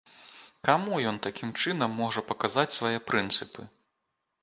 Каму ён такім чынам можа паказаць свае прынцыпы?